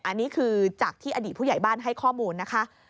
อันนี้คือจากที่อดีตผู้ใหญ่บ้านให้ข้อมูลนะคะ